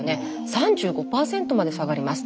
３５％まで下がります。